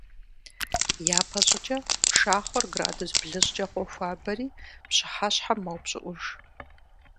Япэщӏыкӏэ пшахъуэр градус блыщӏкӏэ къохуабэри, пщыхьэщхьэм мэупщӏыӏуж.